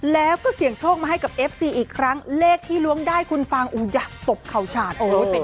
แล้วก็เสี่ยงโชคมาให้กับเอฟซีอีกครั้งเลขที่ล้วงได้คุณฟังอยากตบเข่าฉาด